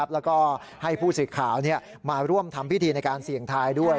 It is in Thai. แล้วก็ให้ผู้สื่อข่าวมาร่วมทำพิธีในการเสี่ยงทายด้วย